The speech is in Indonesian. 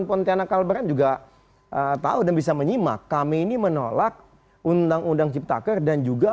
pontianak kalbar juga tahu dan bisa menyimak kami ini menolak undang undang ciptaker dan juga